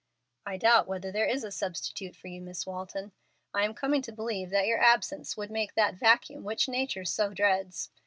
"I doubt whether there is a substitute for you, Miss Walton. I am coming to believe that your absence would make that vacuum which nature so dreads.